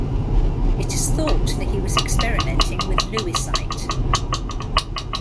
It is thought that he was experimenting with Lewisite.